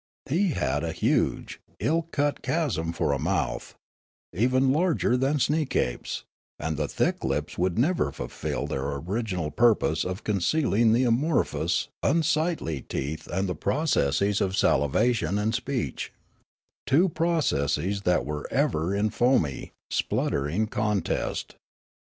He had a huge, ill cut chasm for a mouth, even larger than Sneek ape's, and the thick lips would never fulfil their orig inal purpose of concealing the amorphous, unsightly teeth and the processes of salivation and speech, — two processes that were ever in foamy, spluttering contest.